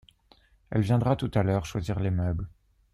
Elle viendra tout à l'heure choisir des meubles.